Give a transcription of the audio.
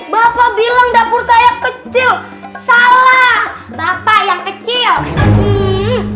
bapak bilang dapur saya kecil salah bapak yang kecil